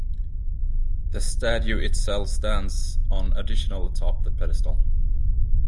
The statue itself stands an additional atop the pedestal.